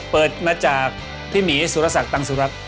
เปิดมาจากพี่หมีสุรสักตังสุรัตน